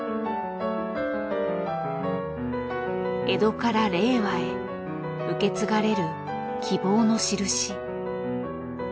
江戸から令和へ受け継がれる希望の印。